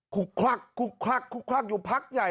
คุกคลักคลุกคลักคลุกคลักอยู่พักใหญ่